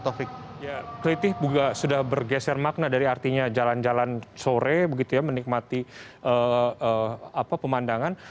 ketika kritik sudah bergeser makna dari artinya jalan jalan sore menikmati pemandangan